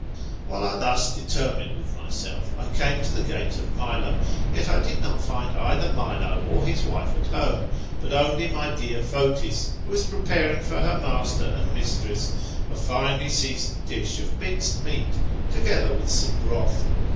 While I thus determined with myself, I came to the gate of Mflo ; yet I did not find either Milo or his wife at home, but only my dear Fotis, who was preparing for her master and mistress a finely seasoned dish of minced meat, together with some broth.